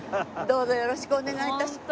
どうぞよろしくお願い致します。